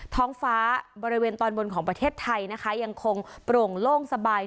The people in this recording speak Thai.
ท้องฟ้าบริเวณตอนบนของประเทศไทยนะคะยังคงโปร่งโล่งสบาย